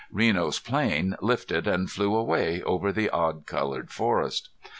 Reno's plane lifted and flew away over the odd colored forest.